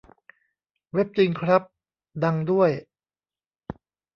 เว็บจริงครับ ดังด้วย